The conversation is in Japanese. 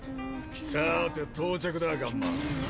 さて到着だガンマン。